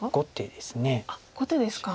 あっ５手ですか。